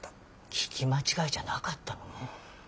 聞き間違えじゃなかったのね。